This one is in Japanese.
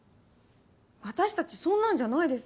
私たちそんなんじゃないです。